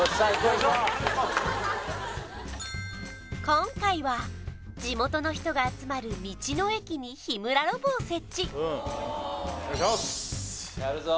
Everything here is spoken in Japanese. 今回は地元の人が集まる道の駅に日村ロボを設置お願いします！